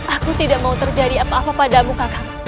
aku tidak mau terjadi apa apa padamu kakak